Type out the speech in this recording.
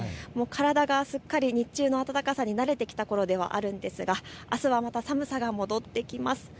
体がすっかり日中の暖かさに慣れてきたころではあるんですがあすはまた寒さが戻ってきます。